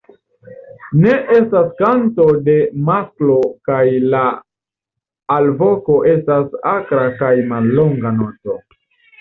Ne estas kanto de masklo kaj la alvoko estas akra kaj mallonga noto.